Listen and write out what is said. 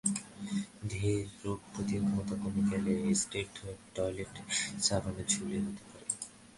দেহের রোগ প্রতিরোধক্ষমতা কমে গেলে, স্টেরয়েড ট্যাবলেট সেবনেও ছুলি হতে পারে।